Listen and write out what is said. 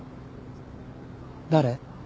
誰？